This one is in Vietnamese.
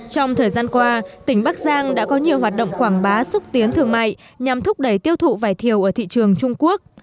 trong thời gian qua tỉnh bắc giang đã có nhiều hoạt động quảng bá xúc tiến thương mại nhằm thúc đẩy tiêu thụ vải thiều ở thị trường trung quốc